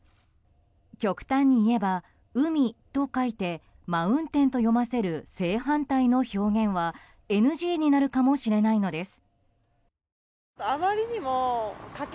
極端にいえば、「海」と書いて「まうんてん」と読ませる正反対の表現はＮＧになるかもしれないのです。